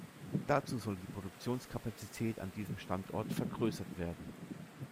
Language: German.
Dazu soll die Produktionskapazität an diesem Standort vergrößert werden.